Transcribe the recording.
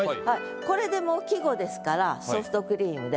これでもう季語ですから「ソフトクリーム」で。